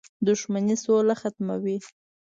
• دښمني سوله ختموي.